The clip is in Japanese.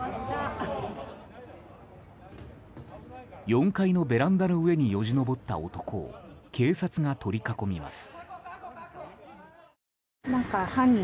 ４階のベランダの上によじ登った男を警察が取り囲みます。